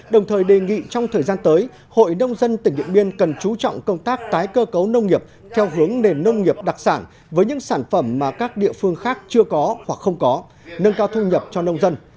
đồng thời đề nghị trong thời gian tới hội nông dân tỉnh điện biên cần chú trọng công tác tái cơ cấu nông nghiệp theo hướng nền nông nghiệp đặc sản với những sản phẩm mà các địa phương khác chưa có hoặc không có nâng cao thu nhập cho nông dân